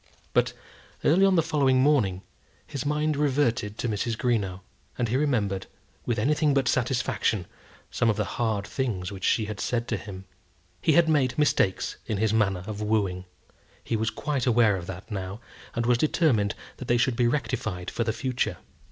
But early on the following morning his mind reverted to Mrs. Greenow, and he remembered, with anything but satisfaction, some of the hard things which she had said to him. He had made mistakes in his manner of wooing. He was quite aware of that now, and was determined that they should be rectified for the future.